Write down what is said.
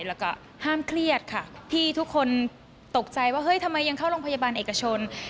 แล้วก็ห้ามเครียดค่ะพี่ทุกคนตกใจว่าเฮ้ยทำไมยังเข้าโรงพยาบาลเอกชน